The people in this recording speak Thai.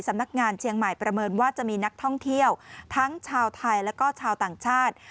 สำนักงานเชียงใหม่ประเมินว่าจะมีนักท่องเที่ยวทั้งชาวไทยแล้วก็ชาวต่างชาติ